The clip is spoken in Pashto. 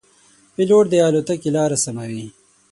پیلوټ د الوتکې لاره سموي.